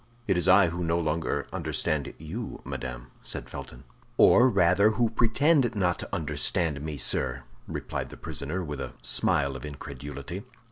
"It is I who no longer understand you, madame," said Felton. "Or, rather, who pretend not to understand me, sir!" replied the prisoner, with a smile of incredulity.